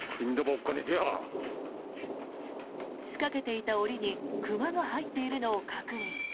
仕掛けていた檻に熊が入っているのを確認。